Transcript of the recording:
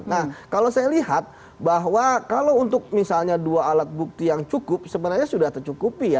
nah kalau saya lihat bahwa kalau untuk misalnya dua alat bukti yang cukup sebenarnya sudah tercukupi ya